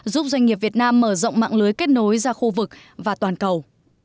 giúp doanh nghiệp việt nam mở rộng mạng lưới kết nối ra khu vực và toàn cầu